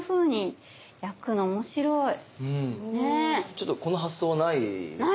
ちょっとこの発想はないですよね。